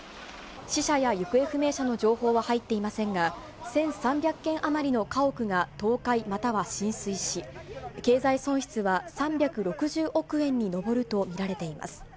死者や行方不明者の情報は入っていませんが、１３００軒余りの家屋が倒壊または浸水し、経済損失は３６０億円に上ると見られています。